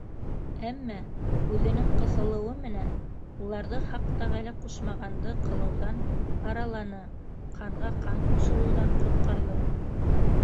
Әммә үҙенең ҡыҫылыуы менән уларҙы хаҡ тәғәлә ҡушмағанды ҡылыуҙан араланы: ҡанға ҡан ҡушылыуҙан ҡотҡарҙы!